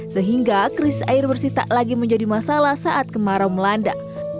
sehingga kris air bersih tak lagi menjadi masalah saat kemarau melanda